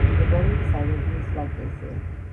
მდებარეობს ალაზნის ვაკეზე.